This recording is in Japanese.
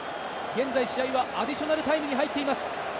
現在、試合はアディショナルタイムに入っています。